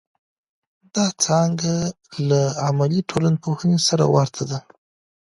دا څانګه له عملي ټولنپوهنې سره ورته ده.